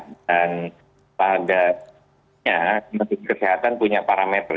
dan padanya kesehatan punya parameter